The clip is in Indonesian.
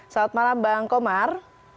selamat malam bang komar